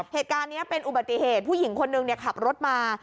เหตุการณ์นี้เป็นอุบัติเหตุผู้หญิงคนนึงขับรถมา